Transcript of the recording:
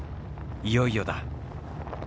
いよいよだ。